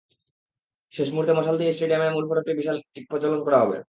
শেষ মুহূর্তে মশাল দিয়ে স্টেডিয়ামের মূল বিশাল মশালটি প্রজ্বালন করা হবে।